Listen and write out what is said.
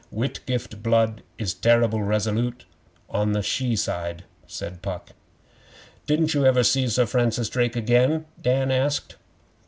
'Whitgift blood is terrible resolute on the she side,' said Puck. 'Didn't You ever see Sir Francis Drake again?' Dan asked.